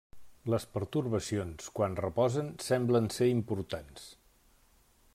Les pertorbacions quan reposen semblen ser importants.